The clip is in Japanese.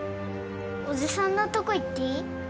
おじさんのとこ行っていい？